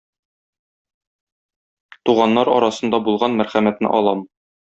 Туганнар арасында булган мәрхәмәтне алам.